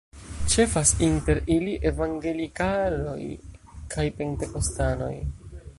Ĉefas inter ili evangelikaloj kaj pentekostanoj.